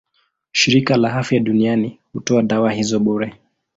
Shirika la Afya Duniani hutoa dawa hizo bure.